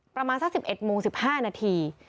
ประมาณสัก๑๑โมง๑๕นาที